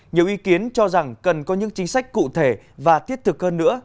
nhiều ý kiến cho rằng cần có những chính sách cụ thể và thiết thực hơn nữa